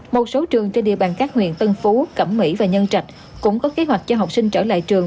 một số trường trên địa bàn các huyện tân phú cẩm mỹ và nhân trạch cũng có kế hoạch cho học sinh trở lại trường